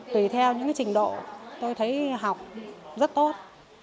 tùy theo những trình độ tôi thấy học rất tốt